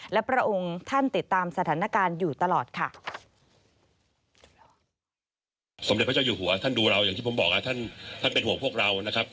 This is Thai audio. และพระองค์ท่านติดตามสถานการณ์อยู่ตลอดค่ะ